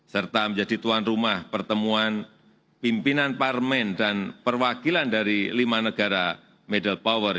serta menjadi tuan rumah pertemuan pimpinan parmen dan perwakilan dari lima negara middle power